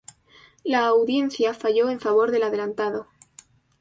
La Audiencia falló en favor del adelantado.